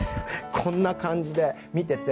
こんな感じで見てて。